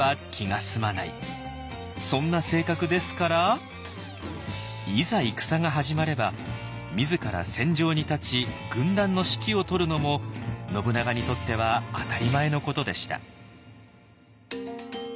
そんな性格ですからいざ戦が始まれば自ら戦場に立ち軍団の指揮をとるのも信長にとっては当たり前のことでした。